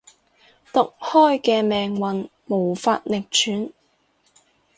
毒開嘅命運無法逆轉